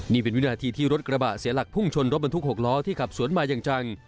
นี่เป็นวินาทีที่รถกระบะเสียหลักพุ่งชนรถบรรทุก๖ล้อที่ขับสวนมาอย่างจัง